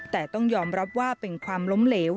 แต่ต้องยอมรับว่าเป็นความล้มเหลว